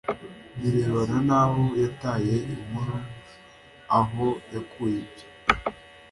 birebana n aho yataye inkuru aho yakuye ibyo